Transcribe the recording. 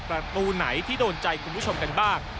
ประตูไหนที่โดนใจคุณผู้ชมกันบ้าง